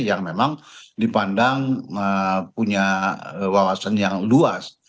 yang memang dipandang punya wawasan yang luas